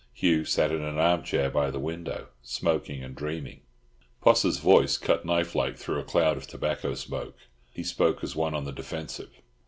Hugh sat in an armchair by the window, smoking and dreaming. Poss's voice cut knife like through a cloud of tobacco smoke. He spoke as one on the defensive.